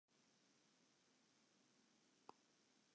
Ferpleats de rigel trije rigels omheech.